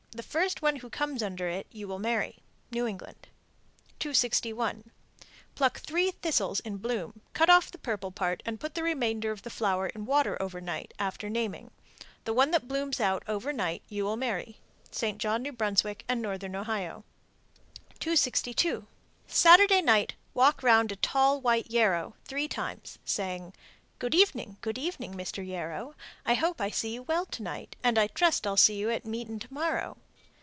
The first one who comes under it you will marry. New England. 261. Pluck three thistles in bloom, cut off the purple part and put the remainder of the flower in water over night, after naming. The one that blooms out over night you will marry. St. John, N.B., and Northern Ohio. 262. Saturday night walk round a tall white yarrow three times, saying, Good evening, good evening, Mr. Yarrow. I hope I see you well to night, And trust I'll see you at meetin' to morrow.